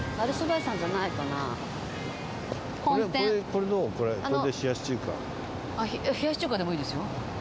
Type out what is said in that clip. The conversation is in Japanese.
冷やし中華でもいいですよ。